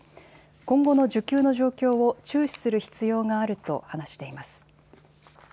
今後の需給の状況を注視する必要があると話しています。